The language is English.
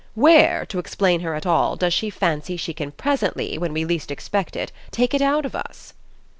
Where to explain her at all does she fancy she can presently, when we least expect it, take it out of us?"